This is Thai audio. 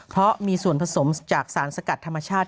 เพราะมีส่วนผสมจากสารสกัดธรรมชาติ